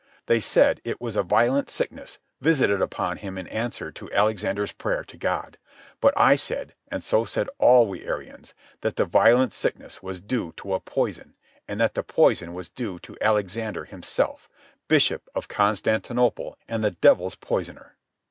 They said it was a violent sickness visited upon him in answer to Alexander's prayer to God. But I said, and so said all we Arians, that the violent sickness was due to a poison, and that the poison was due to Alexander himself, Bishop of Constantinople and devil's poisoner.